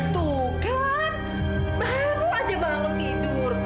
tuh kan baru aja bangun tidur